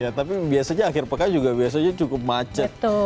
ya tapi biasanya akhir pekan juga biasanya cukup macet